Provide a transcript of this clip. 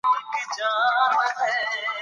مننه.